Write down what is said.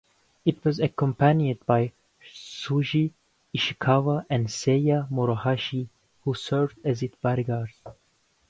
It was accompanied by Shuji Ishikawa and Seiya Morohashi who served as its bodyguards.